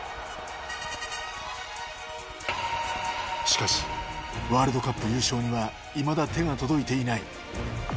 しかしワールドカップ優勝にはいまだ手が届いていない。